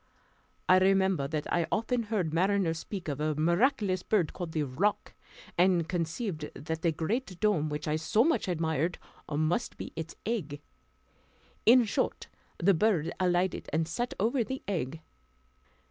I remembered that I had often heard mariners speak of a miraculous bird called the Roc, and conceived that the great dome which I so much admired must be its egg. In short, the bird alighted, and sat over the egg.